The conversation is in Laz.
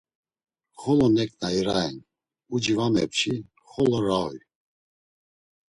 Xolo neǩna iraen, uci va mepçi, xolo rauy.